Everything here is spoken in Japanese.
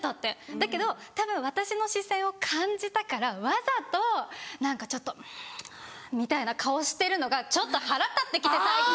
だけどたぶん私の視線を感じたからわざと何かちょっとうんみたいな顔してるのがちょっと腹立って来て最近！